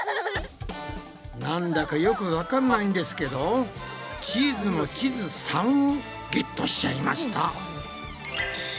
なんだかよくわかんないんですけど「チーズのちず３」をゲットしちゃいました。